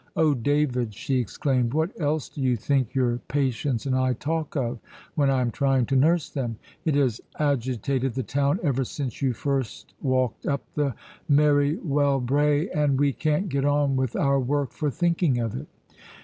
"Oh, David," she exclaimed, "what else do you think your patients and I talk of when I am trying to nurse them? It has agitated the town ever since you first walked up the Marrywellbrae, and we can't get on with our work for thinking of it."